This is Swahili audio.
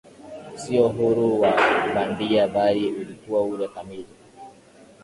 sio uhuru wa bandia bali ulikuwa ule kamili